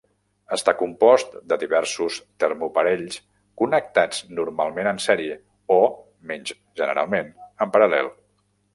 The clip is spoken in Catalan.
Està compost de diversos termoparells connectats normalment en sèrie o, menys generalment, en paral·lel.